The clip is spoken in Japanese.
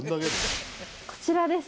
こちらです。